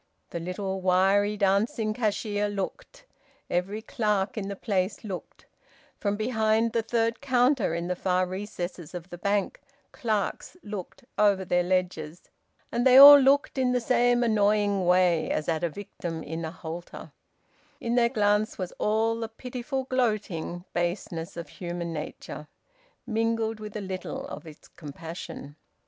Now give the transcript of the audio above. The little wiry dancing cashier looked; every clerk in the place looked; from behind the third counter, in the far recesses of the Bank, clerks looked over their ledgers; and they all looked in the same annoying way, as at a victim in a halter; in their glance was all the pitiful gloating baseness of human nature, mingled with a little of its compassion.